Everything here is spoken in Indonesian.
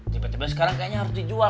tiba tiba sekarang kayaknya harus dijual